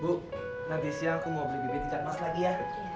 bu nanti siang aku mau beli bibit ikan emas lagi ya